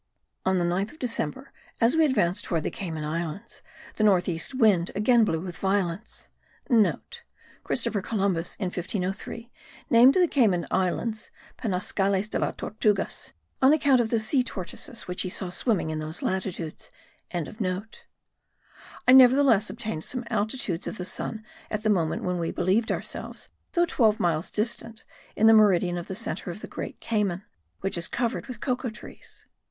On the 9th of December, as we advanced towards the Cayman Islands,* the north east wind again blew with violence. (* Christopher Columbus in 1503 named the Cayman Islands Penascales de las Tortugas on account of the sea tortoises which he saw swimming in those latitudes.) I nevertheless obtained some altitudes of the sun at the moment when we believed ourselves, though twelve miles distant, in the meridian of the centre of the Great Cayman, which is covered with cocoa trees.